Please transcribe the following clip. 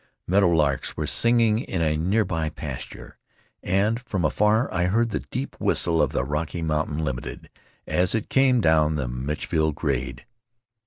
Meadow larks were singing in a near by pasture, and from afar I heard the deep whistle of the Rocky Mountain Limited as it came down the Mitchellville grade.